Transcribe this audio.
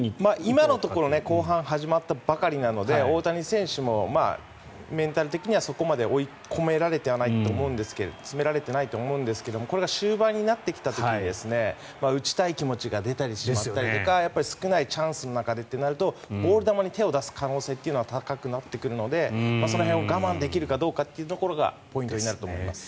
今のところ後半、始まったばかりなので大谷選手もメンタル的にはそこまで追い込まれてはいないと思いますがこれが終盤になってきた時に打ちたい気持ちが出たりしまったりとか少ないチャンスの中でとなるとボール球に手を出す可能性というのは高くなってくるのでその辺を我慢できるかどうかがポイントになると思います。